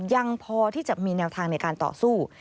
ยังพอที่จะมีแนวทางในการต่อสู้